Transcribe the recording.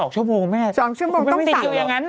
๒ชั่วโมงแม่ติดอยู่อย่างนั้น